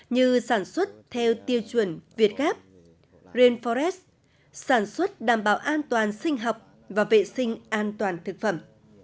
như sản xuất theo tiêu chuẩn việt gáp rainforest sản xuất đảm bảo an toàn sinh học và vệ sinh an toàn thực phẩm